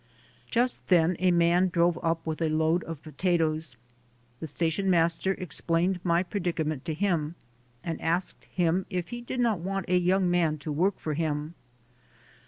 Just then a man drove up with a load of potatoes. The station master explained my predicament to him and asked him if he did not want a young man to work for him.